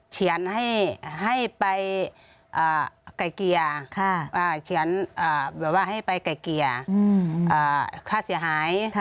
เขียนให้ไปไก่เกียร์ค่าเสียหาย